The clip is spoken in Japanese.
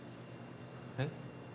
えっ？